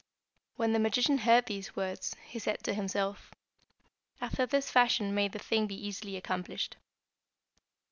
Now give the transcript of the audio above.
"When the magician heard these words, he said to himself, 'After this fashion may the thing be easily accomplished.'